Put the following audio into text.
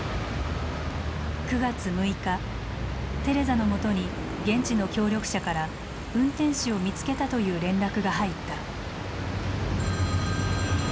テレザのもとに現地の協力者から運転手を見つけたという連絡が入った。